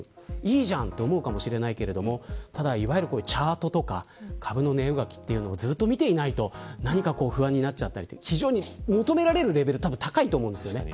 いいじゃんと思うかもしれないけれどチャートとか株の値動きをずっと見ていないと何か不安になっちゃったり求められるレベルが高いと思うんですね。